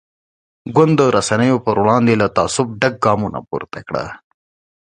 ګوند د رسنیو پر وړاندې له تعصب ډک ګامونه پورته کړل.